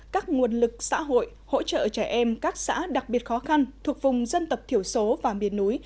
các nguồn lực xã hội hỗ trợ trẻ em các xã đặc biệt khó khăn thuộc vùng dân tộc thiểu số và miền núi